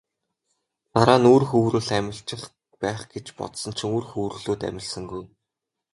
Дараа нь үр хөврөл амилчих байх гэж бодсон чинь үр хөврөлүүд амилсангүй.